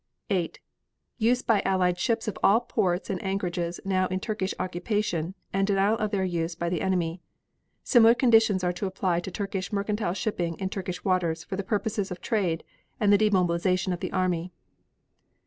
8. Use by Allied ships of all ports and anchorages now in Turkish occupation and denial of their use by the enemy. Similar conditions are to apply to Turkish mercantile shipping in Turkish waters for the purposes of trade and the demobilization of the army.